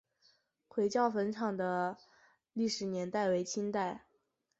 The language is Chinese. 回教坟场的历史年代为清代。